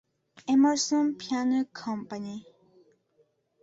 Emerson Piano Company.